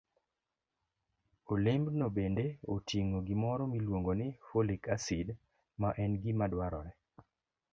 Olembno bende oting'o gimoro miluongo ni folic acid, ma en gima dwarore